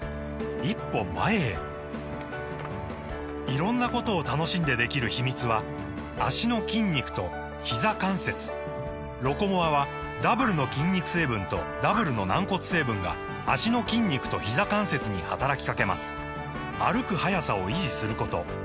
色んなことを楽しんでできる秘密は脚の筋肉とひざ関節「ロコモア」はダブルの筋肉成分とダブルの軟骨成分が脚の筋肉とひざ関節に働きかけます歩く速さを維持することひざ関節機能を維持することが報告されています